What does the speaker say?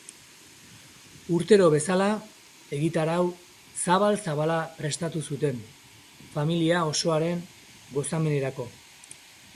Urtero bezala, egitarau zabal-zabala prestatu zuten, familia osoaren gozamenerako.